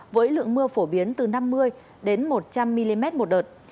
với lượng mưa phổ biến từ năm mươi một trăm linh mm một đợt